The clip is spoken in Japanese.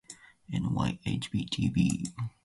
ｎｙｈｂｔｂ